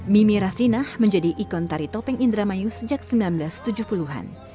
mimi rasinah menjadi ikon tari topeng indramayu sejak seribu sembilan ratus tujuh puluh an